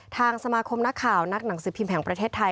ทางสมาคมนักข่าวนักหนังสือพิมพ์แห่งประเทศไทย